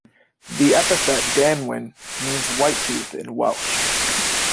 The epithet "Danwyn" means "White-tooth" in Welsh.